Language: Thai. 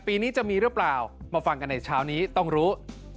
ปีนี้จะมีหรือเปล่ามาฟังกันในเช้านี้ต้องรู้